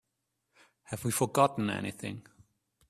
Have we forgotten anything?